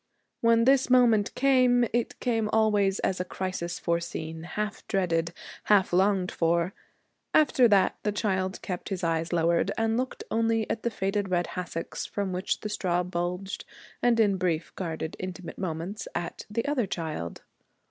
When this moment came it came always as a crisis foreseen, half dreaded, half longed for. After that the child kept his eyes lowered, and looked only at the faded red hassocks from which the straw bulged, and in brief, guarded, intimate moments, at the other child.